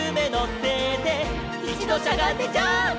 「いちどしゃがんでジャンプ！」